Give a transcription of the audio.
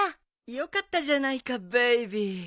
よかったじゃないかベイビー。